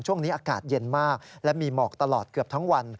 ช่วงนี้อากาศเย็นมากและมีหมอกตลอดเกือบทั้งวัน